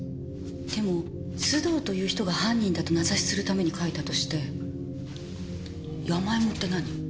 でも須藤という人が犯人だと名指しするために書いたとして山芋って何？